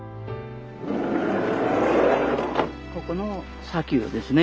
ここの砂丘ですね。